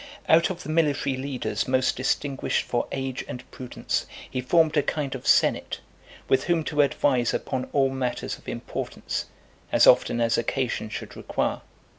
Out of the military leaders most distinguished for age and prudence, he formed a kind of senate, with whom to advise upon all matters of importance, as often as occasion should require.